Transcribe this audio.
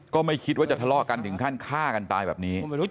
ก็ไม่คิดว่าจะทะเลาะกันถึงขั้นฆ่ากันตายแบบนี้